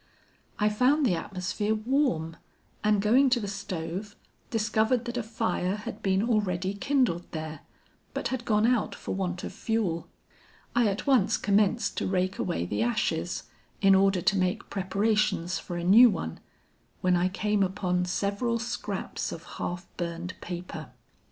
I found the atmosphere warm, and going to the stove, discovered that a fire had been already kindled there, but had gone out for want of fuel. I at once commenced to rake away the ashes, in order to make preparations for a new one, when I came upon several scraps of half burned paper.